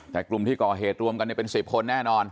แต่กลุ่มที่ก่อเหตุรวมกันเป็น๑๐คนแน่นอน